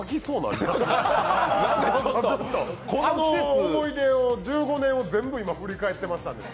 あの思い出を、１５年を全部振り返ってましたね。